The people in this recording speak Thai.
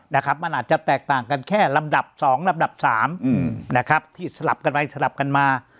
มันอาจจะแตกต่างกันแค่ลำดับ๒ลำดับ๓ที่สลับกันไปสลับกันมา